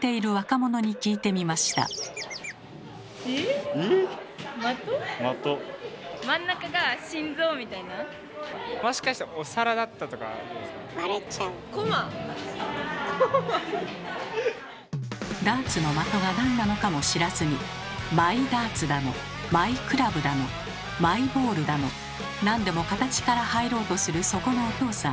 もしかしてダーツの「まと」が何なのかも知らずにマイダーツだのマイクラブだのマイボールだの何でも形から入ろうとするそこのおとうさん。